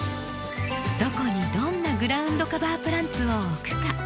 どこにどんなグラウンドカバープランツを置くか。